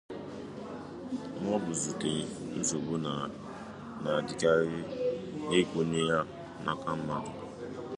maọbụ zùte nsogbo na-adịkarị n'ịkwụnye ya n'aka mmadụ